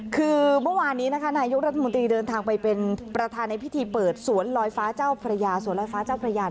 คือเมื่อวานนี้นะคะนายกรัฐมนตรีเดินทางไปเป็นประธานในพิธีเปิดสวนลอยฟ้าเจ้าพระยาสวนลอยฟ้าเจ้าพระยาน